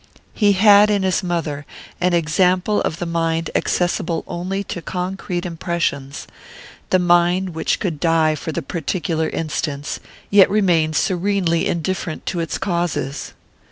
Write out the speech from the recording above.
He had in his mother an example of the mind accessible only to concrete impressions: the mind which could die for the particular instance, yet remain serenely indifferent to its causes.